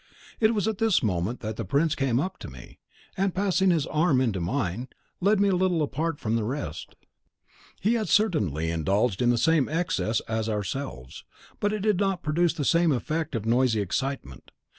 It was at this moment that the prince came up to me, and, passing his arm into mine, led me a little apart from the rest. He had certainly indulged in the same excess as ourselves, but it did not produce the same effect of noisy excitement.